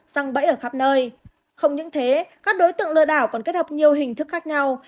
răng bẫy ở khắp nơi không những thế các đối tượng lừa đảo còn kết hợp nhiều hình thức khác nhau